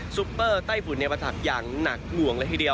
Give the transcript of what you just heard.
ซุปเปอร์ไต้ฟุรุนิยาปรากฐักษ์อย่างหนักหลวง